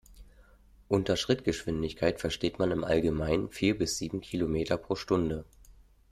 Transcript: Unter Schrittgeschwindigkeit versteht man im Allgemeinen vier bis sieben Kilometer pro Stunde.